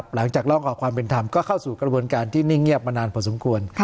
หลังจากร้องขอความเป็นธรรมก็เข้าสู่กระบวนการที่นิ่งเงียบมานานพอสมควร